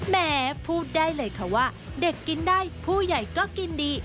แม้พูดได้เลยค่ะว่าเด็กกินได้ผู้ใหญ่ก็กินดี